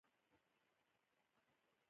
د کابل پوهنتون د استاد کتاب ډېر ارزښتناک و.